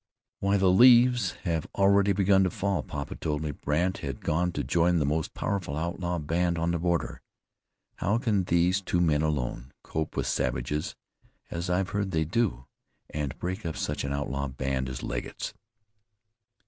"Why, the leaves have already begun to fall. Papa told me Brandt had gone to join the most powerful outlaw band on the border. How can these two men, alone, cope with savages, as I've heard they do, and break up such an outlaw band as Legget's?"